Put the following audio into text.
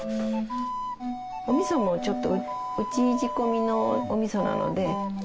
おみそもちょっとうち仕込みのおみそなので。